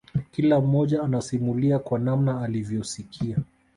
Kila mmoja anasimulia kwa namna alivyosikia